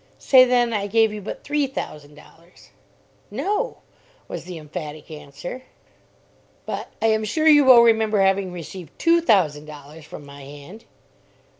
"Say, then, I gave you but three thousand dollars." "No," was the emphatic answer. "But I am sure you will remember having received two thousand dollars from my hand."